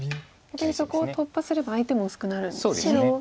逆にそこを突破すれば相手も薄くなるんですね。